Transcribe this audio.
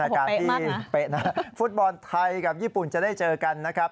ค่ะผมเป๊ะมากนะนะครับฟุตบอลไทยกับญี่ปุ่นจะได้เจอกันนะครับ